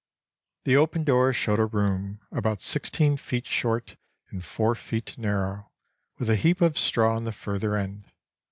The opened door showed a room, about sixteen feet short and four feet narrow, with a heap of straw in the further end.